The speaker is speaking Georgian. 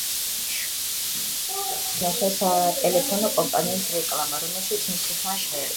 ინგლისში ტელევიზორში ვნახე სატელეფონო კომპანიის რეკლამა, რომელშიც მისი ხმა ჟღერდა.